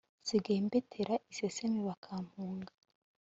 nsigaye mbatera isesemi bakampunga